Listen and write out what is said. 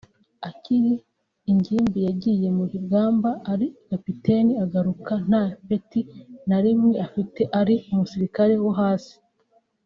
Akiri ingimbi yagiye ku rugamba ari kapiteni agaruka nta peti na rimwe afite ari umusirikari wo hasi